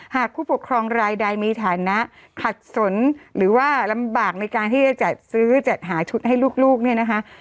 ผู้ปกครองรายใดมีฐานะขัดสนหรือว่าลำบากในการที่จะจัดซื้อจัดหาชุดให้ลูกเนี่ยนะคะ